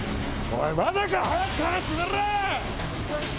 おいまだか